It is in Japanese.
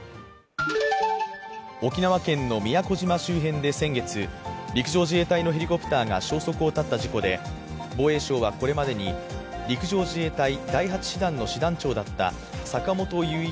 沖縄県の宮古島周辺で先月、陸上自衛隊のヘリコプターが消息を絶った事故で、防衛省はこれまでに陸上自衛隊第８師団の師団長だった坂本雄一